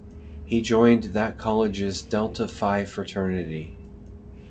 He joined that college's Delta Phi fraternity.